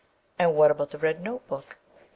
And what about the red note book ?